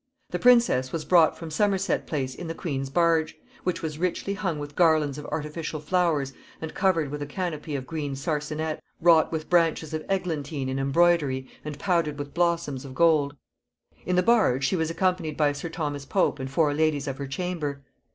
The princess was brought from Somerset Place in the queen's barge, which was richly hung with garlands of artificial flowers and covered with a canopy of green sarcenet, wrought with branches of eglantine in embroidery and powdered with blossoms of gold. In the barge she was accompanied by sir Thomas Pope and four ladies of her chamber.